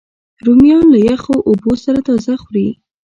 رومیان له یخو اوبو سره تازه خوري